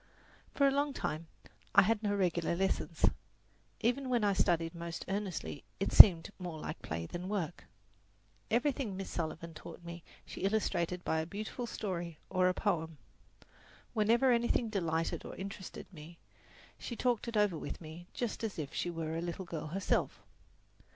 For a long time I had no regular lessons. Even when I studied most earnestly it seemed more like play than work. Everything Miss Sullivan taught me she illustrated by a beautiful story or a poem. Whenever anything delighted or interested me she talked it over with me just as if she were a little girl herself.